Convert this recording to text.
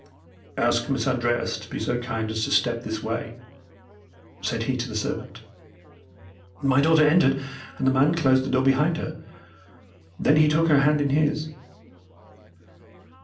"'Ask Miss Andreas to be so kind as to step this way,' said he to the servant. "My daughter entered, and the man closed the door behind her. Then he took her hand in his.